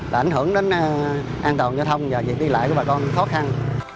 đã ảnh hưởng đến an toàn giao thông và dịp đi lại của bà con khó khăn